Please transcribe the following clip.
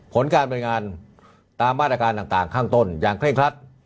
ผลการบริการตามมาตรการต่างข้างต้นอย่างเคร่งครัด